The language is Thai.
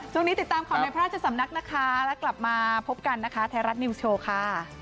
ติดตามของในพระราชสำนักนะคะแล้วกลับมาพบกันนะคะไทยรัฐนิวส์โชว์ค่ะ